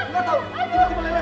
dari rumah pak kowo den